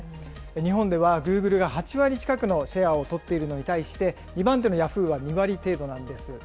日本ではグーグルが８割近くのシェアを取っているのに対して、２番手のヤフーは２割程度なんです。